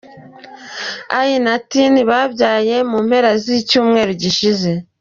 I na Tiny, babyaye mu mpera z’icyumweru gishize.